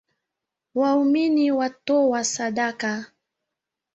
Waumini wanatoa sadaka